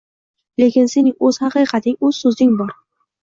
Lekin sening oʻz haqiqating, oʻz soʻzing bor